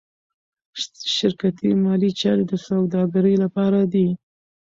شرکتي مالي چارې د سوداګرۍ لپاره دي.